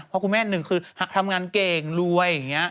เพราะคุณแม่หนึ่งคือทำงานเก่งรวยอย่างนี้